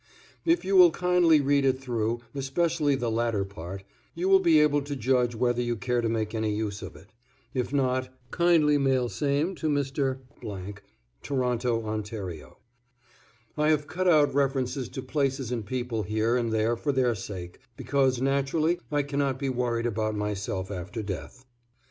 If you will kindly read it through, especially the latter part, you will be able to judge whether you care to make any use of it. If not, kindly mail same to Mr. , Toronto, Ont. I have cut out references to places and people here and there for their sake, because naturally I cannot be worried about myself after death.